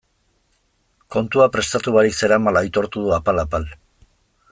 Kontua prestatu barik zeramala aitortu du apal-apal.